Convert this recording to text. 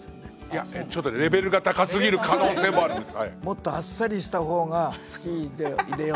いやちょっとレベルが高すぎる可能性もあります。